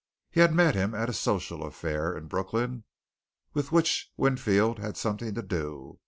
He had met him at a social affair in Brooklyn with which Winfield had something to do.